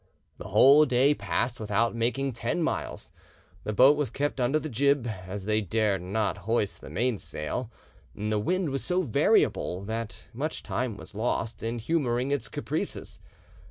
The whole day passed without making ten miles; the boat was kept under the jib, as they dared not hoist the mainsail, and the wind was so variable that much time was lost in humouring its caprices.